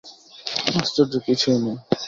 আশ্চর্য কিছুই নেই।